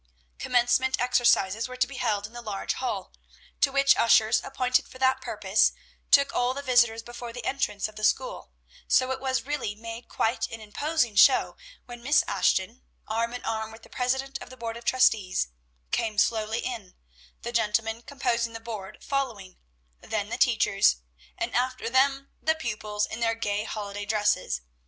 Commencement exercises were to be held in the large hall, to which ushers appointed for that purpose took all the visitors before the entrance of the school, so it really made quite an imposing show when Miss Ashton, arm in arm with the president of the Board of Trustees, came slowly in, the gentlemen composing the board following, then the teachers, and after them the pupils in their gay holiday dresses.